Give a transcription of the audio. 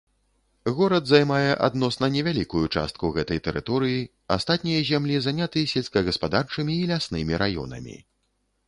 Горад займае адносна невялікую частку гэтай тэрыторыі, астатнія землі заняты сельскагаспадарчымі і ляснымі раёнамі.